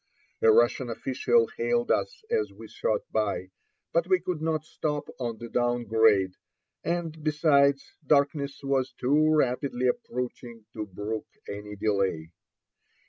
A Russian official hailed us as we shot by, but we could not stop on the down grade, and, besides, darkness was too rapidly approaching to brook any delay.